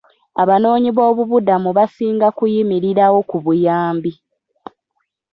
Abanoonyiboobubudamu basinga kuyimirirawo ku buyambi.